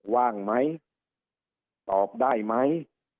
ว่างไหมตอบได้ไหม